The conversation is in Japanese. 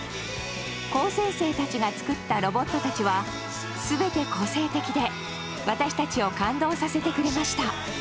高専生たちが作ったロボットたちは全て個性的で私たちを感動させてくれました。